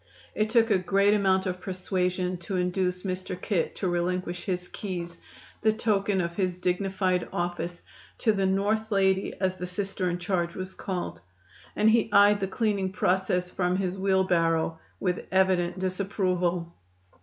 It took a great amount of persuasion to induce "Mr. Kit" to relinquish his keys, the token of his dignified office, to the "North lady," as the Sister in charge was called, and he eyed the cleaning process from his wheelbarrow with evident disapproval.